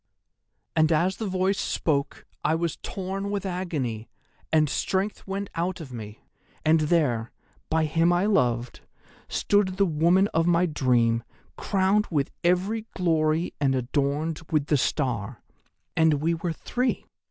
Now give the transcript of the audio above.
"'And as the Voice spoke I was torn with agony, and strength went out of me, and there, by him I loved, stood the woman of my dream crowned with every glory and adorned with the Star. And we were three.